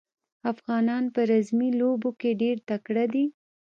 افغانان په رزمي لوبو کې ډېر تکړه دي.